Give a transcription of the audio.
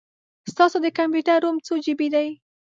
ستاسو د کمپیوټر رم څو جې بې دی؟